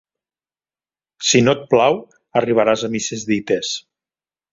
Si no et plau, arribaràs a misses dites.